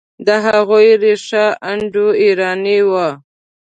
د هغوی ریښه انډوایراني ده.